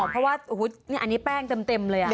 เพราะว่าอันนี้แป้งเต็มเลย